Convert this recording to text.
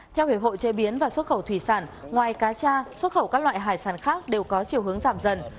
theo hiệp hội chế biến và xuất khẩu thủy sản ngoài cá cha xuất khẩu các loại hải sản khác đều có chiều hướng giảm dần